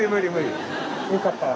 よかったら。